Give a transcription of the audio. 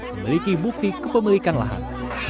memiliki bukti kepemilikan lahan